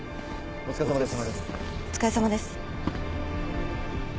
お疲れさまです。